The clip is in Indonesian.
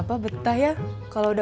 jangan tuh terang gue